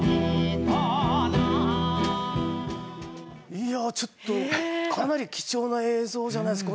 いやちょっとかなり貴重な映像じゃないですか。